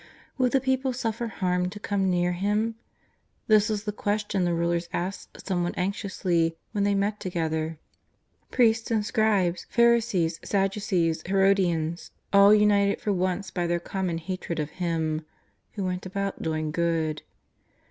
Would the people suffer harm to come near Him? This was the question the rulers asked somewhat anxiously when they met together, priests and scribes, Pharisees, Sad ducees, Herodians, all united for once by their common hatred of Him " who went about doing good.''